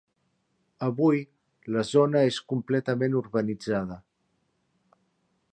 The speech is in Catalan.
Avui, la zona és completament urbanitzada.